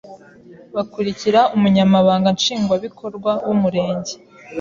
bakurikira:Umunyamabanga nshingwabikorwa w’Umurenge;